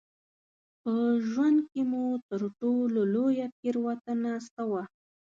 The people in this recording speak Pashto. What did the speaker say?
په ژوند کې مو تر ټولو لویه تېروتنه څه وه؟